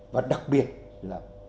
và đặc biệt là